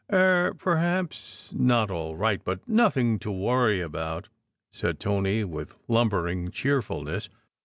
"Er perhaps not all right, but nothing to worry about," said Tony, with lumbering cheerfulness.